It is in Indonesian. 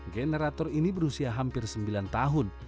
generator ini berusia hampir sembilan tahun